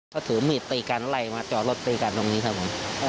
ก็ถือมีดตีกันไล่มาจอดรถตีกันตรงนี้ครับผม